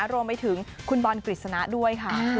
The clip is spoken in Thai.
รวมไปถึงคุณบอลกฤษณะด้วยค่ะ